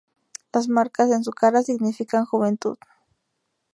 Las marcas en su cara significan Juventud.